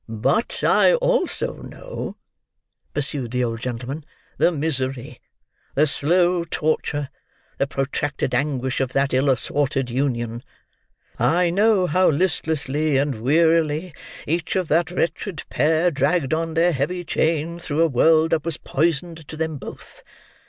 "But I also know," pursued the old gentleman, "the misery, the slow torture, the protracted anguish of that ill assorted union. I know how listlessly and wearily each of that wretched pair dragged on their heavy chain through a world that was poisoned to them both.